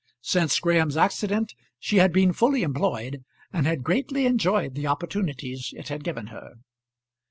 Since Graham's accident she had been fully employed, and had greatly enjoyed the opportunities it had given her.